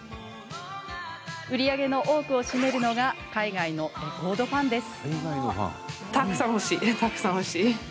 売り上げの多くを占めるのが海外のレコードファンです。